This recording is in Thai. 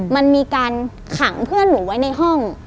มันมีการขังเพื่อนหนูไว้ในห้อง